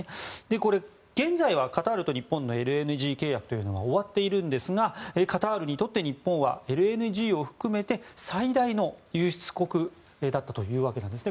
これ、現在はカタールと日本のＬＮＧ契約は終わっているんですがカタールにとって日本はＬＮＧを含めて最大の輸出国だったというわけです。